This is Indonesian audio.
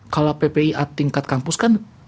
kalau ppia tingkat kampus kan